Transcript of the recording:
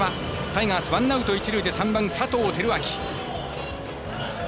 タイガース、ワンアウト、一塁で３番、佐藤輝明。